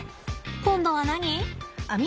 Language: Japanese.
今度は何？